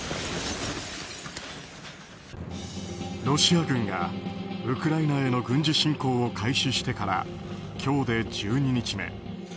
ロシア軍がウクライナへの軍事侵攻を開始してから今日で１２日目。